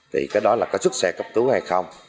thì cái đó là có xuất xe cấp cứu hay không